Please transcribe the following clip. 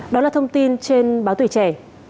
đó là thông tin trên báo tuổi trẻ